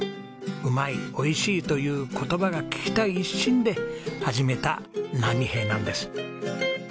「うまい」「美味しい」という言葉が聞きたい一心で始めた波平なんです。